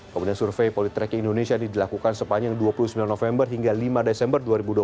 kemudian survei politreking indonesia dilakukan sepanjang dua puluh sembilan november hingga lima desember dua ribu dua puluh